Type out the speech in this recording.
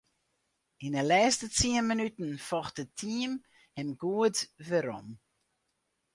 Yn 'e lêste tsien minuten focht it team him goed werom.